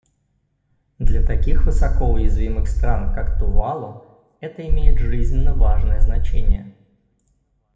Для таких высоко уязвимых стран, как Тувалу, это имеет жизненно важное значение.